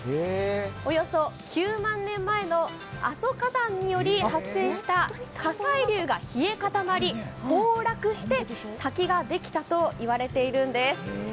およそ９万年前の阿蘇火山により発生した火砕流が冷え固まり崩落して滝ができたと言われているんです。